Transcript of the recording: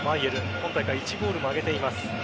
今大会１ゴールを挙げています。